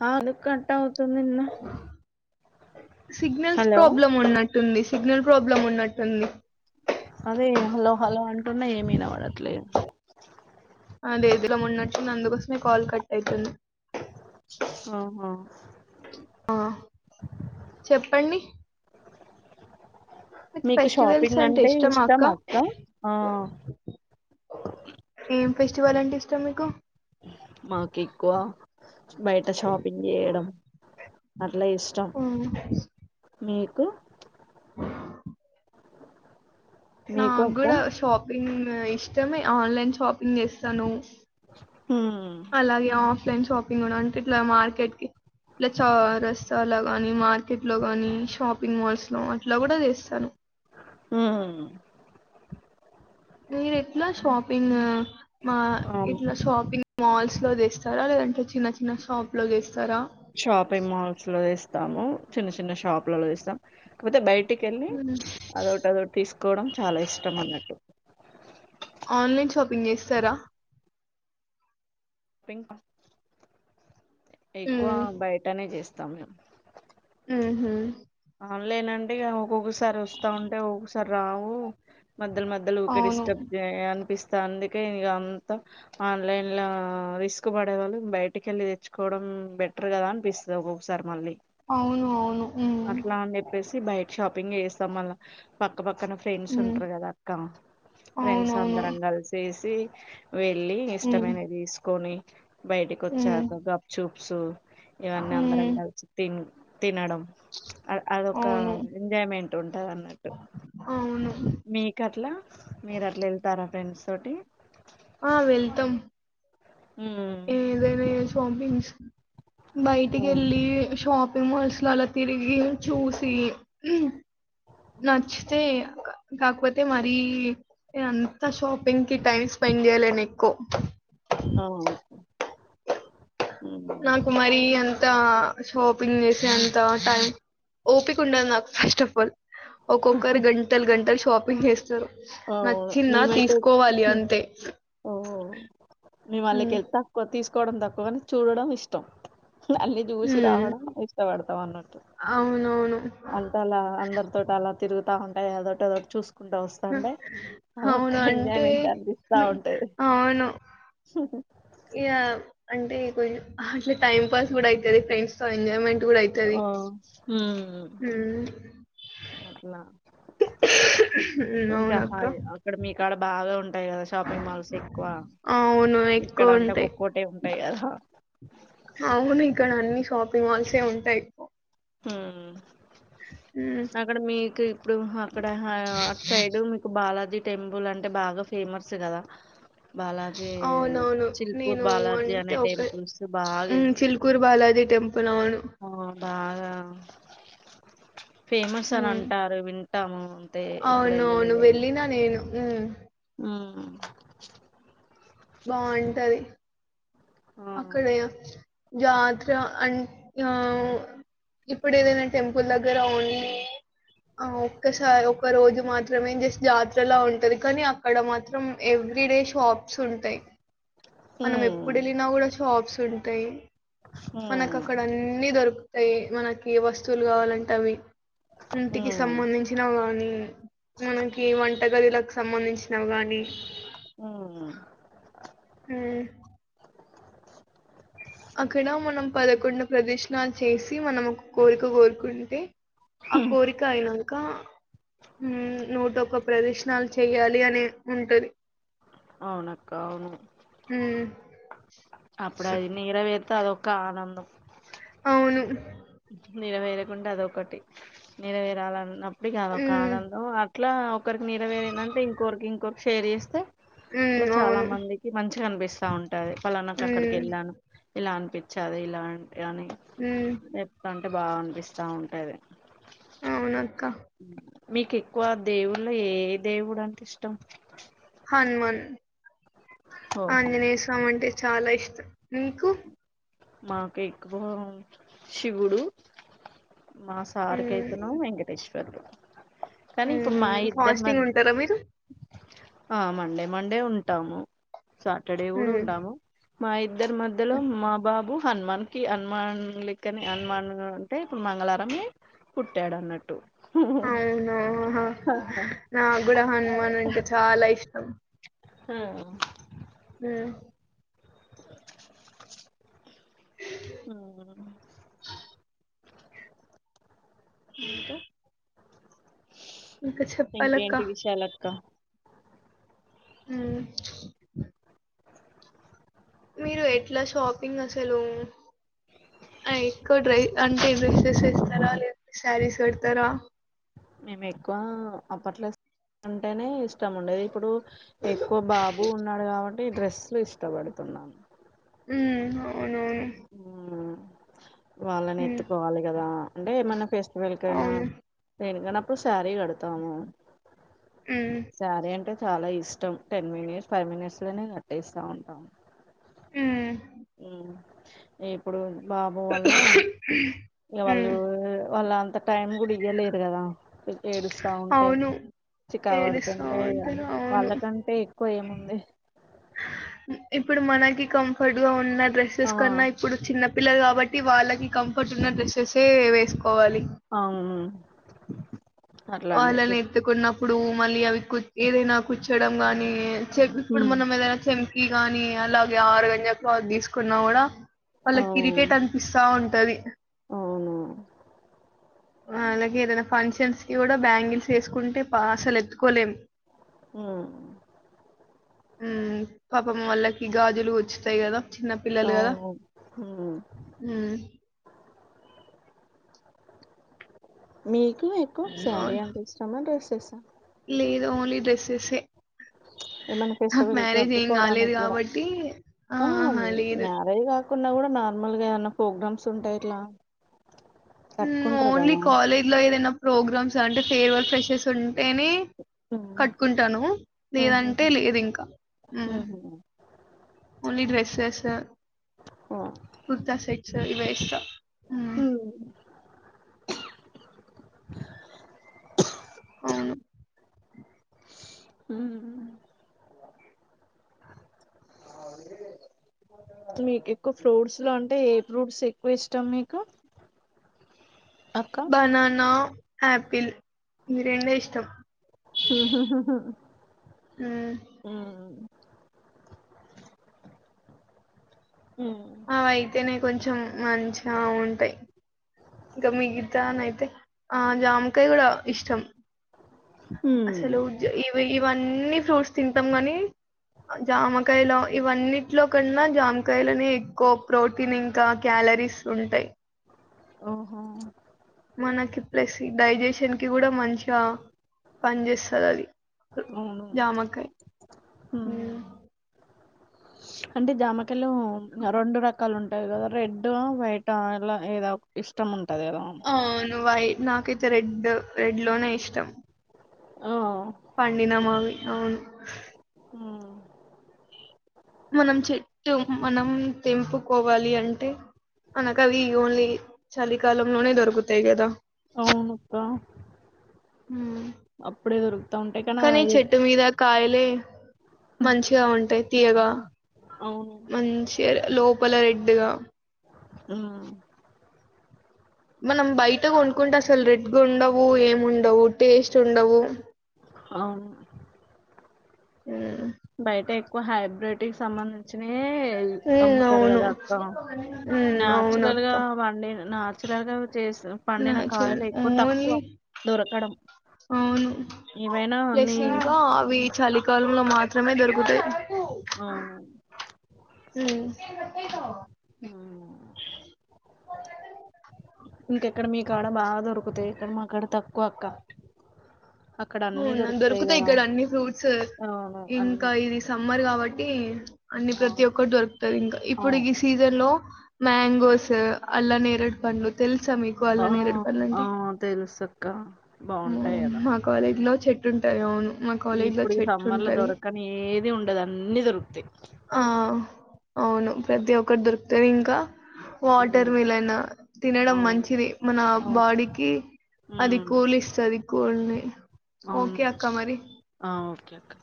హాల్లు cut అవుతుందిన్న signals problem ఉన్నాయ్ టుంది సిగ్నల్ ప్రాబ్లం ఉన్నట్టుంది. అదే హలో హలో అంటున్నా ఏమ్ వినపడట్ లేదు అది ఎదిగా ఉన్నట్టుంది అందుకోసమే కాల్ కట్ అయ్తుంది ఆహా ఆ చెప్పండి మీకు షాపింగ్ అంటే ఇష్టం అక్క ఆ ఏం ఫెస్టివల్ అంటే ఇష్టం మీకు మాకు ఎక్కువ బయట షాపింగ్ చేయడం అట్లా ఇష్టం ఉమ్, మీ కు నా మీకు అక్క కూడాడ షోప్ ఇష్టమే ఆన్లైన్ షాపింగ్ చేస్తాను [inaudible] అలాగే ఆఫలైన్ షాపింగ్ కూడా అంటే ఇట్లా మార్కెట్ కి ఇట్లా చ రస్తాల గాని మార్కెట్ లో గాని షాపింగ్ మాల్స్ లో అట్లా కూడా చేస్తాను హ నను ఎట్లా షాపింగ్ మా ఎట్లా షాపింగ్ మాల్స్ లో తెస్తారా లేదంటే చిన్న చిన్న శాప్ లోగేస్తారా తాము చిన్న చిన్న షాపులలో ఇస్తాం కాకపోతే బైట్ టికి వెళ్ళి మ్మ్. అదొటి అదొట్ తీస్క్ కోవడం చాలా ఇష్టం అన్నట్టు ఆన్లైన్ షాపింగ్ చేస్తారా పింకా ఎక్కువ ఉమ్ బయటనే చేస్తా సమే హహ ఆన్లైన్ అంటే ఇగ ఒక్కొక్కసారి వస్తా ఉంటే ఒక్కొక్కసారి రావు. మధ్యలు మధ్యలో ఊకె అవును డిస్టబ్ చేయ అనిపిస్ త అందుకే నేను ఇక అంతా ఆన్లైన్లో రిస్క్ పడేవాళ్ళు బయటికి వెళ్ళి తెచ్చుకోవడం, బెటర్ కదా అనిపిస్తుంది. ఒక్కొక్కసారి మళ్ళీ అవును అవును ఉమ్ అట్లా అని చెప్పేస్ తి బైట్ షాపింగ్ ఏస్తాం మళ్ళ పక్క పక్ క్కన ఫ్రెండ్స్ ఉమ్ ఉంటారు కదా అక్క ఫ్రెండ్స్ అవునవును అందరం కలిసేస్ తీ వెళ్ళి ఉమ్ ఇష్టమైనది తీసుకొని బయటికి ఉమ్ వచ్చాక గప్ చూప్సు ఇవన్నీ, అందరం ఉమ్ కలిసి తిను తినడం అద్ అదొక అవును ఎంజాయ్మెంట్ ఉంటది. అన్నట్టు అవును మీకు అట్లా మీరు అట్లా వెళ్తారా ఫ్రెండ్స్ తోటి ఆ వెళ్తామ్ ఏదేనే స్బింగ్స్ ఓ బయటికి వెళ్ళ షాప్ మాల్స్ లో అలా తిరిగి చూసి నచ్చితే కాకపోతే మరీ నే అంతా షాపింగ్ కి టైమ్ స్పెండ్ చేయలేను ఎక్కువ అ ఓ నాకు మరి ఎంత షాపింగ్ చేసిే ఎంత టైం ఓపిక ఉండదు నాకు ఫస్ట్ ఆఫ్ ఆల్ ఒఓకక గంటల్ గంంటల్ షాపింగ్ చేస్తారు అవు నచ్చిందా మేమైతే తీసుకోవాలి అంతే ఓ మేము వాళ్ళకి ఉమ్, వెళ్తేా తక్కువ తీసుకు కోవడం తాకువ అ చూడడం ఇష్టం అీ చూసి ఉమ్, రావడం ఇష్టపడతాం అన్నట్టు అవునవును అంటే అలా అందరితోటి అలా తిగుతా ఉంటయి ఏదటిోదోటి చూసుకుంటా వస్తాంటే అదొక్క అవును అంటే ఎంజాయ్మెంట్ అనిపిస్తా ఉంటది అవును ఇ అంటే కొంచం అట్లా టైం పాస్ కూడా అయితుంది ఫ్రెండ్స్ తో ఎంజాయ్మెంట్ కూడా అవుతుంది ఓ అట్లా ఉమ్ ఇంకా హా్ అవునక్క అక్కడ మీకాడ బాగా ఉంట ఉంటాయి కదా షాపింగ్ మాల్స్ ఎక్కువ అవును ఇక్కడ ఎక్కువ అంటే ఉంటాయి ఓక్కోటే ఉంటాయి కదా అవును ఇక్కడ అన్ని షాపింగ్ మాల్సే ఉంటాయి ఎక్కో హ్మ్మ్ అక్కడ మీకు ఇప్పుడు అక్కడ అటు సైడ్ మీకు బాల టెంపుల్ అంటే బాగా ఫేమస్ కదా బాలాజీ అవునవును చిల్పూర్ నేను బాలాజీ అనే అంటే ఒక టెంపుల్స్ బాగా చిల్కూరు బాలాజీ టెంపుల్ అవును ఆ బాగా ఫేమస్ అని అంటారు విం టాం అవును అవును వెళ్ళిన నేను మ్ ఉమ్ బావుంటది ఉమ్ అక్కడ ఎయెచ్చు జాతర అం ఆ ఇప్పుడు ఏదైనా టెంపుల్ దగ్గర ఉం ఆ ఒక్కసారి ఒక్క రోజు మాత్రమే జస్ట్ జాతరలా ఉంటది కానీ అక్కడ మాత్రం ఎవ్రీ డే షాప్స్ ఉంటాయి మ్ న షాప్స్ ఉంటాయి మనకు ఉమ్ అక్కడ అన్ని దొరుకు తాయి మనకి వస్తువులు కావాలంటే అవి ఇంటికి సంబంధించినవి కాని మనకి వంటగదిలకు సంబంధించినవి గానీ ఊమ్ ఉమ్ అక్కడ మనం పదకొండు ప్రదక్షిణాలు చేసి మనము ఒక కోరిక కోరుకుంటే ఆ కోరిక అయినాక ఉ నూటోక ప్రదక్షిణాలు చెయ్యాలి అనే ఉంటది అవునక్క అవును ఉమ్ అప్పుడు అది నెరవేరి తె అదొక ఆనందం అవును నెరవేరకుంటె అదొకటి నెరవేరాలన్న ఇగ అది ఒక ఉమ్ ఆనందం ఇట్లా ఒకరికి నెరవేరిందంటే ఇంకొరికి ఇంకొరికి షేర్ చేస్తే ఉమ్ ఇలా చాలా అవును మందికి మంచి కనిపిస్తా ఉం టది పలానాకు అక్కడికి ఉమ్ వెళ్ళాను ఇలా అనిపించాలి ఇలాంటి అని మ్ చెప్తాంటే బాగా అనిపిస్తా ఉంటాది అవును అక్క మీకు ఎక్కువ దేవుళ్ళ ఏ దేవుడు అంటే ఇష్టం హనుమాన్ ఓహో ఆంజనేయ స్వామి అంటే ఇ చాలా ఇష్టం మీకు మాకు ఎక్కువ శివుడు మా సార్కి మ్మ్ అైతున్నా వెంకటేష్ ఇద్దరి ఫాస్టింగ్ మధ్య ఉంటారా మీరు ఆ మండే మండే ఉంటాము సాటర్డే కూడా మ్మ్ ఉంటాము మా ఇద్దరు మధ్యలో మా బాబు హనుమాన్ క అనుమాన్ క్కని అనుమానంగా అంటే ప్పుడు మంగళారమే పుట్టాడు అన్నట్టు అవునాహా నాకు కూడా హనుమాన్ అంటే చాలా ఇష్టం హ హ అ అంట ఇకా చెప్పాలక్క ఇంకేంటి విషయాలక్క అ మీరు ఎట్లా షాపింగ్ అసలు ఎక్కువ డ్ర అంటే డ్రెస్సెస్ ఇస్తారా లేంట శారీస్ పెడతారా మేము ఎక్కువ అప్పట్లో అంటేనే ఇష్టం ఉండేది ఇప్పుడు ఎక్కువ బాబు ఉన్నాడు కాబట్టి ఈ డ్రెస్లు ఇష్టపడుతున్నాము అ అవునవును మ్మ్ వాళ్ళని మ్మ్ ఎత్తుకోవాలి కదా అంటే ఏమన్నా ఫెస్టివల్ కైనా అవును దేనికన్నా అప్పుడు శారీ కడతాము మ్మ్ శారీ అంటే చాలా ఇష్టం టెన్ మినిట్స్ ఫైవ్ మినిట్స్ లోనే కట్టేస్తా ఉంటాను మ్మ్ ఇప్పుడు బాబు వల్ల ఇ వాళ్ళు మ్మ్ వాళ్ళ అంత అంత టైం గుడి ఇయ్యలేదు కదా ఏడుస్తా ఉంటాయి అవును చికా ఏడుస్తా పడుకుంటాయి ఉంటారు అవును వాళ్ళకంటే ఎక్కువ ఏముంది ఇప్పుడు మనకి కంఫర్ట్ గా ఉన్నది ఆ డ్రెస్సెస్ కన్నా ఇప్పుడు చిన్న పిల్లలు కాబట్టి వాళ్ళకి కంఫర్ట్ ఉన్న డ్రెస్సెస్ వేసుకోవాలి అవు వా అళ్లానే ఎతుకున్న ఇప్పుడు మళ్ళీ అవి ఏదైనా కూర్చోడం కానీ ఇప్పుడు మ్మ్ మనం ఏదైనా చెంకి గానీ అలాగే ఆరు గంజకు తీసుకున్నా కూడా వాళ్ళ ఇరిటేట్ అనిపిస్తా ఉంటు అది అవునా అలాగే ఏదైనా ఫంక్షన్స్ ఇ కూడా బ్యాంగిల్స్ వేసుకుంటే అసలు ఎత్తుకోలేం ఉమ్ ఉమ్ పాపం వాళ్లకి గాజులు గుచ్చుతాయి కదా చిన్న పిల్లలు కదా అవును మ్మ్ మ్మ్ మీ కు ఎక్కువ సారీ అంటే ఇష్టమ డ్రెస్ స్సా లేదు ఓన్లీ డ్రెస్సెస్సే ఏమైనా నాకు ఫెస్టివల్‌కి మ్యారేజ్ ఏం కాలేదు కట్టుకోవడానికి గూడా కాబట్టి ఆహహా లేదు. కున్నా కూడా నార్మల్గా ఏమన్నా ప్రోగ్రామ్స్ ఉంటాయి ఇట్లా ఉమ్ కట్టుకుంటారు ఓన్లీ గదా! కాలేజ్ లో ఏదైనా ప్రోగ్రామ్స్ అంటే ఫేయిర్వల్ ఫ్రెషెర్స్ ఉంటేనే హ్మ్. కట్టుకుంటాను లేదంటే హుహుహు. లేదు ఇంకా మ్మ్ హుహు. ఓన్లీ డ్రెస్సెస్ ఆ! కుర్తా సెట్స్ వేస్తా హ్మ్ అవును హు మీకు ఎక్కువ ఫ్రూట్స్ లో అంటే ఏ ఫ్రూట్స్ ఎక్కువ ఇష్టం మీకు అక్క. బనానా ఆపిల్ ఇవి రెండే ఇష్టం మ్ హు హు హు హ్మ్, హు హ్మ్. ఆవి అయితేనేతే కొంచెం మంచిగా ఉంటాయి ఇంకా మిగతా నైయితే ఆ జామకాయ కూడా ఇష్టం హ్మ్. అసలు జ ఈ ఇవన్నీ ఫ్రూట్స్ తింటాం గాని జామకాయలో ఇవన్నింటిలో కన్నా జామకాయలోనే ఎక్కువ ప్రోటీన్ ఇంకా క్యాలరీస్ ఉంటాయి ఓహో మనకి ప్లస్ డైజెషన్ కి కూడా మంచిగా పని చేస్తారు అది అవును. జామకాయ హ్మ్. అంటే జామకాలు రెండు రకాలు ఉంటాయి కదా రెడ్ వైట్ ఇలా ఏదో ఇష్టం ఉంట ఆ నువ్యి నా ఇతే రెడ్ రెడ్ లోనే ఇష్టం ఆ పండిన మావి అవును మ్మ్ మనం చెట్టు మనం తెంపుకోవాలి అంటే మనకు అవి ఓన్లీ చలికాలంలోనే దొరుకుతాయి. కదా అవునుక్కా ఉమ్. అప్పుడే పెరుగ్ త ఉంటే కనా కానీ ఏద్ చెట్టు మీద కాయలే మంచిగా ఉంటాయి తీయగా అవును మంచిగ రే లోపల రెడ్డుగా హ్మ్ మనం బయట కొనుకుంటే అసలు రెడ్గా ఉండవు. ఏం ఉండవు టేస్ట్ ఉండవు. అవును ఉమ్ బయట ఇప్ క్కువ హైబ్ర్రిటిక్ సంబంధించ్ చ్చినయే ఉమ్, అమ్ముతారు. అవును కదా అక్క ఉమ్ అవును న్యాచురల్ గా అక్క పండిన న్యాచురల్ గా చేసి పండిన నాచురల్ కాయలు ఎక్కువ తక్కువ ఓన్లీ దొరకడం, అవును ఏవైనా ప్లస్ అన్ని స్ త్రమే దొరుకుతయ్ హ్మ్ ఆ ఇంకెక్కడ మీ కాడ బాగా దొరుకుతాయి. ఇక్కడ మా కాడ తక్కువ అక్క అక్కడ అన్నీ అవునా దొరుకుతాయి కదా ఇక్కడ అన్ని ఫ్రూట్స్ అవును ఇంకా అన్ని ఇది సమ్మర్ కావట్ టి అన్ని ప్రతి అవును ఒక్కరు దొరుకుతంది ఇంకా ఇప్పుడు అవు ఈ సీజన్ లో మ్యాంగోస్ అల్లో నేరట్ పండ్లు తెల్ ఆ ఆ తెలుసు క్కా బాగుంటాయి కదా ఇ లో చెట్టు ఉంటాయి అవును మా కాలేజీలో ఇప్పుడు సమ్మర్ లో చెట్టుంటది. దొరకని ఏది ఉండదు అన్ని దొరుకుతాయి అక్కడ దొరుకుతనే ఇంకా వాటర్ హ్మ్ మిలన్ తినడం అవును మంచిది మన అవును బాడీకి అది హ్మ్ కూల్ ఇస్తది కూల్ ని అవును ఆ ఓకే కా